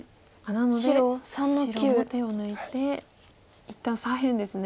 なので白も手を抜いて一旦左辺ですね。